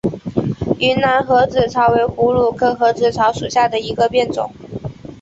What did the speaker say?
云南盒子草为葫芦科盒子草属下的一个变种。